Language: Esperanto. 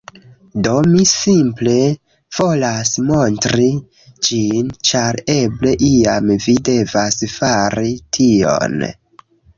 Do, mi simple volas montri ĝin ĉar eble iam vi devas fari tion